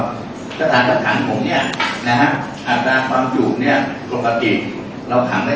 ก็ให้เรามาคุยกับท่านเองเขาเป็นอย่างนี้